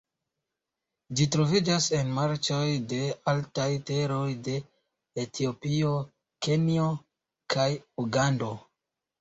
Ĝi troviĝas en marĉoj de altaj teroj de Etiopio, Kenjo kaj Ugando.